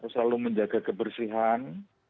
selalu menjaga kebersihan